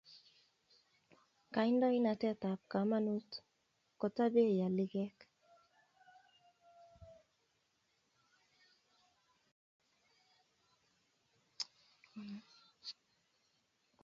Kandoinatet tab kamanut kota bei alikek